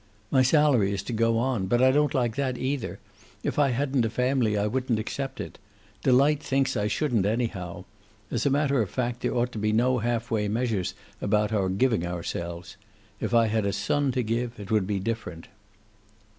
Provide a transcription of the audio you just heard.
"My salary is to go on. But I don't like that, either. If I hadn't a family I wouldn't accept it. Delight thinks I shouldn't, anyhow. As a matter of fact, there ought to be no half way measures about our giving ourselves. If I had a son to give it would be different."